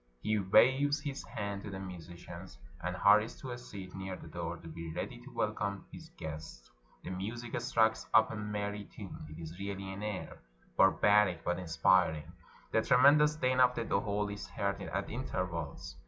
He waves his hand to the musicians, and hurries to a seat near the door, to be ready to welcome his guests; the music strikes up a merry tune (it is really an air — bar baric, but inspiriting) ; the tremendous din of the dohol is heard at intervals.